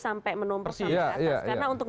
sampai menumpuk sampai ke atas karena untuk